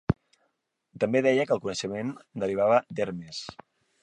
També deia que el coneixement derivava d'Hermes.